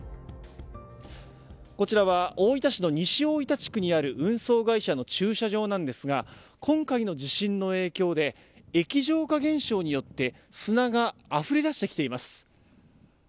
こちらは大分市の西大分地区にある運送会社の駐車場なんですが今回の地震の影響で液状化現象によって砂があふれ出してきています。